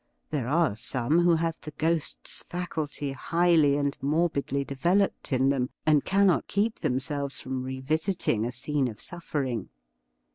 There are some who have the ghost's faculty highly and morbidly developed in them, and cannot keep themselves from revisiting a scene of suffering.